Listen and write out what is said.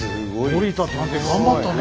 森田探偵頑張ったね。